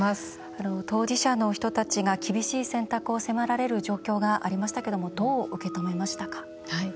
当事者の人たちが厳しい選択を迫られる状況がありましたけどもどう受け止めましたか？